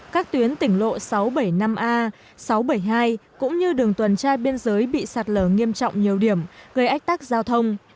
các tuyến tỉnh lộ sáu trăm bảy mươi năm a sáu trăm bảy mươi hai cũng như đường tuần trai biên giới bị sạt lở nghiêm trọng nhiều điểm gây ách tắc giao thông